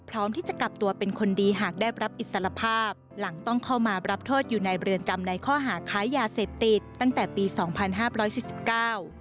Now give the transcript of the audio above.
พร้อมที่จะกลับตัวเป็นคนดีหากได้รับอิสรภาพหลังต้องเข้ามารับโทษอยู่ในเรือนจำในข้อหาค้ายาเสพติดตั้งแต่ปีสองพันห้าร้อยสี่สิบเก้า